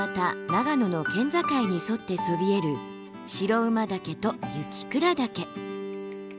長野の県境に沿ってそびえる白馬岳と雪倉岳。